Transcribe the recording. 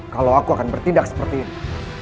kalau aku akan bertindak seperti ini